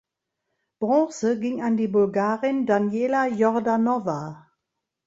Bronze ging an die Bulgarin Daniela Jordanowa.